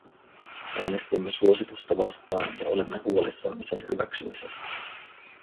Äänestimme suositusta vastaan ja olemme huolissamme sen hyväksymisestä.